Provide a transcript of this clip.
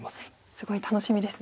すごい楽しみですね。